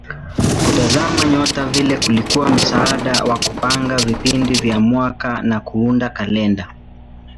Kutazama nyota vile kulikuwa msaada wa kupanga vipindi vya mwaka na kuunda kalenda.